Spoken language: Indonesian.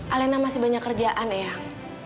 alena masih banyak kerjaan ya